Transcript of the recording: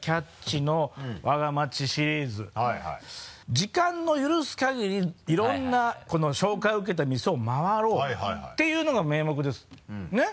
時間の許す限りいろんな紹介受けた店を回ろうっていうのが名目ですねぇ？